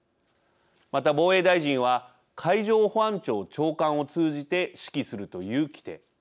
また、防衛大臣は海上保安庁長官を通じて指揮するという規定。